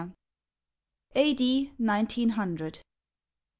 A. D. NINETEEN HUNDRED.